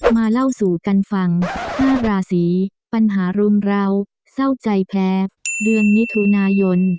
มาเล่าสู่กันฟัง๕ราศีปัญหารุมราวเศร้าใจแพ้เดือนมิถุนายน